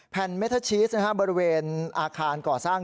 แผ่นเมทเทอร์ชีสบริเวณอาคารก่อสร้าง